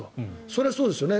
それはそうですよね。